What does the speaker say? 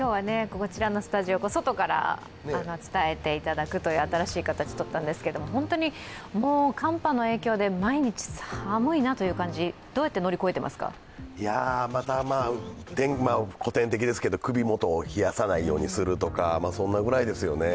今日は外から伝えていただくという新しい形をとったんですけれども、寒波の影響で毎日寒いなという感じ、また古典的ですけれども首元を冷やさないようにするとかそんなぐらいですよね。